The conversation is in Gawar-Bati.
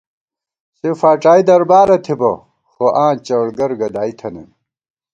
سےفاڄائی دربارہ تھِبہ، خو آں چڑگر گدائی تھنَئیم